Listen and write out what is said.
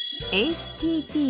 「ＨＴＴ」。